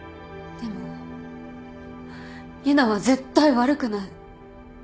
でも結奈は絶対悪くない。